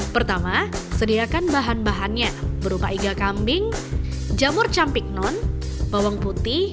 pertama sediakan bahan bahannya berupa iga kambing jamur campik non bawang putih